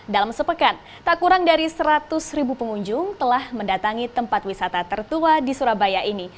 dalam sepekan tak kurang dari seratus ribu pengunjung telah mendatangi tempat wisata tertua di surabaya ini